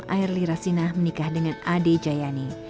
pada dua ribu enam airly rasinah menikah dengan ade jayani